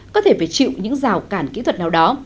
có thể phải chịu những rào cản kỹ thuật nào đó